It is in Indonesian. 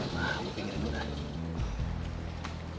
nah gue pinggirin dulu